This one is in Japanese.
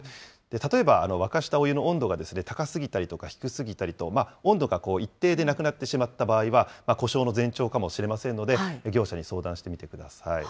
例えば沸かしたお湯の温度が高すぎたり低すぎたりと、温度が一定でなくなってしまった場合は、故障の前兆かもしれませんので、業者に相談してみてください。